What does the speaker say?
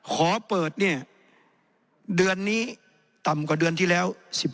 ขอเปิดเนี่ยเดือนนี้ต่ำกว่าเดือนที่แล้ว